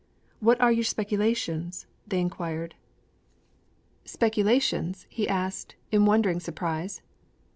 'What are your speculations?' they inquired. 'Speculations?' he asked, in wondering surprise.